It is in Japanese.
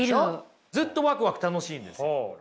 ずっとワクワク楽しいんです。